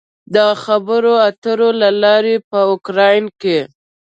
د خبرو اترو له لارې په اوکراین کې